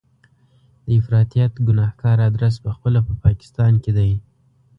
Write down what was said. د افراطیت ګنهګار ادرس په خپله په پاکستان کې دی.